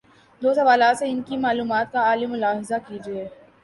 دو سوالات سے ان کی معلومات کا عالم ملاحظہ کیجیے۔